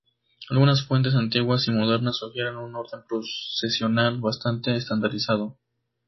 Algunas fuentes antiguas y modernas sugieren un orden procesional bastante estandarizado.